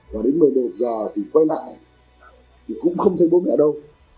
và đến một mươi một giờ thì quay lại thì cũng không thấy bố mẹ đâu